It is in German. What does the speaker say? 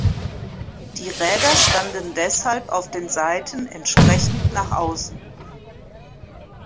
Die Räder standen deshalb auf den Seiten entsprechend nach außen.